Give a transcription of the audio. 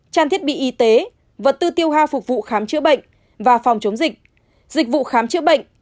trang thiết bị y tế vật tư tiêu ha phục vụ khám chữa bệnh và phòng chống dịch dịch vụ khám chữa bệnh